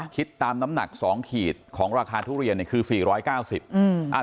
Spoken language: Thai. คิดตามน้ำหนัก๒ขีดของราคาทุเรียนเนี่ยคือ๔๙๐บาท